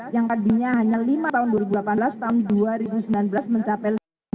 yang tadinya hanya lima tahun dua ribu delapan belas tahun dua ribu sembilan belas mencapai lima puluh